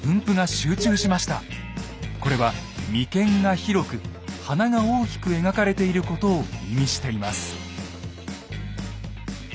これは眉間が広く鼻が大きく描かれていることを意味しています。